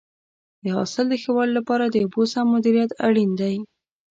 د حاصل د ښه والي لپاره د اوبو سم مدیریت اړین دی.